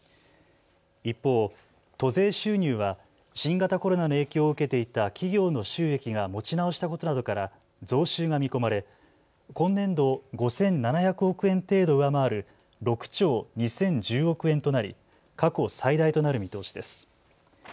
一方、都税収入は新型コロナの影響を受けていた企業の収益が持ち直したことなどから増収が見込まれ今年度を５７００億円程度上回る６兆２０１０億円となり過去最大となる見通しです。